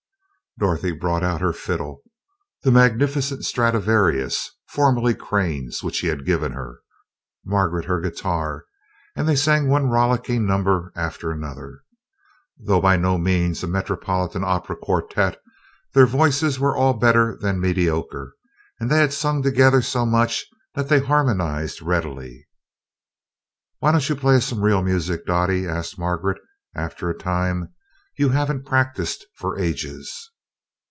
Dorothy brought out her "fiddle" the magnificent Stradivarius, formerly Crane's, which he had given her Margaret her guitar, and they sang one rollicking number after another. Though by no means a Metropolitan Opera quartette, their voices were all better than mediocre, and they had sung together so much that they harmonized readily. "Why don't you play us some real music, Dottie?" asked Margaret, after a time. "You haven't practiced for ages."